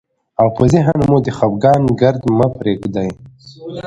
او په ذهن مو د خفګان ګرد مه پرېږدئ،